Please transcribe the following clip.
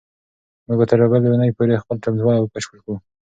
موږ به تر بلې اونۍ پورې خپل چمتووالی بشپړ کړو.